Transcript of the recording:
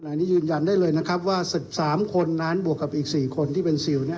อันนี้ยืนยันได้เลยนะครับว่า๑๓คนนั้นบวกกับอีก๔คนที่เป็นซิล